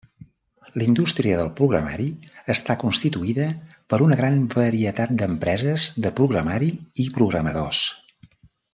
La indústria del programari està constituïda per una gran varietat d'empreses de programari i programadors.